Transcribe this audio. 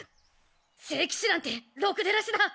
聖騎士なんてろくでなしだ。